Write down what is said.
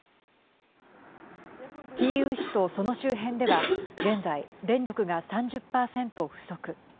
キーウ市とその周辺では現在、電力が３０％不足。